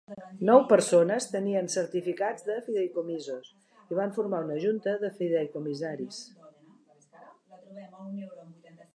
Nou persones tenien certificats de fideïcomisos i van formar una junta de fideïcomissaris.